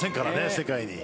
世界に。